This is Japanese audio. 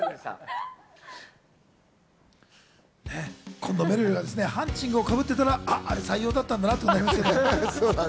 今度めるるがハンチングをかぶっていたら、あれ採用だったんだなと思うけれども。